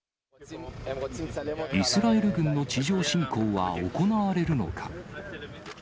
イスラエル軍の地上侵攻は行われるのか。